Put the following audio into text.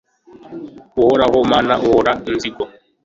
Uhoraho Mana ihora inzigo